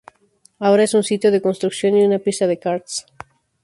Ahora es un sitio de construcción y una pista de karts.